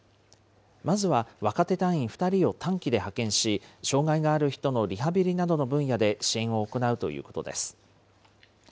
まずは、若手隊員２人を短期で派遣し、障害がある人のリハビリなどの分野で支援を行うということです。